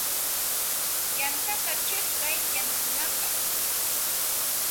Yantata chiqtay yanukunapaq.